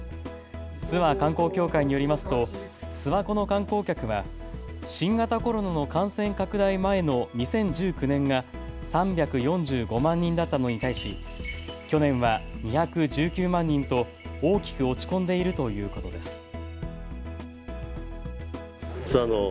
諏訪観光協会によりますと諏訪湖の観光客は新型コロナの感染拡大前の２０１９年が３４５万人だったのに対し去年は２１９万人と大きく落ち込んでいるということです。